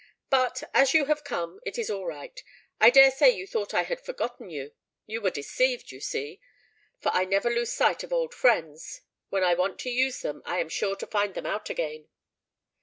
"But, as you have come, it is all right. I dare say you thought I had forgotten you: you were deceived, you see; for I never lose sight of old friends. When I want to use them, I am sure to find them out again."